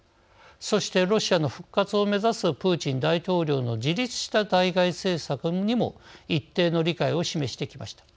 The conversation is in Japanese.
そして、ロシアの復活を目指すプーチン大統領の自立した対外政策にも一定の理解を示してきました。